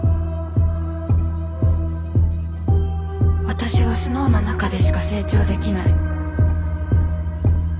私はスノウの中でしか成長できない。